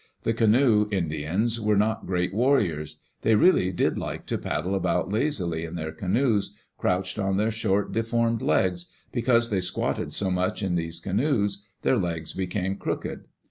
The canoe Indians were not great warriors. They really did like to paddle about lazily in their canoes, crouched on their short, deformed legs — because they squatted so much in these canoes their legs became crooked.